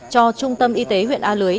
cho trung tâm y tế huyện a lưới